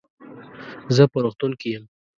زه په روغتون کې يم.